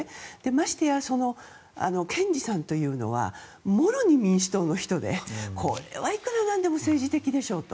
ましてや、検事さんというのはもろに民主党の人でこれはいくらなんでも政治的でしょうと。